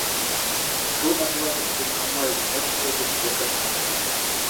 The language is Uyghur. شۇ ئاتىلار ئىزىدىن ماڭماي، نەچچە ئېزىپ يىقىلىپ ماڭدۇق.